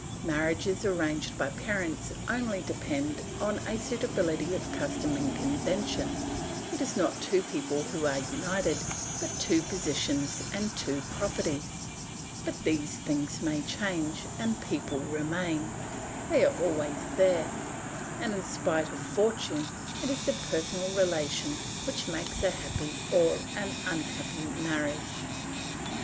Marriages arranged by parents only depend on a suitability of custom and convention; it is not two people who are united, but two positions and two properties; but these things may change, the people remain, they are always there; and in spite of fortune it is the personal relation that makes a happy or an unhappy marriage.